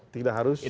tidak harus sekarang